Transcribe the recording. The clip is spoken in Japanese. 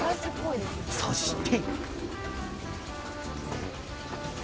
そして。